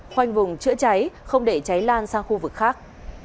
khoanh vùng chữa cháy không để cháy lan sang khu vực khác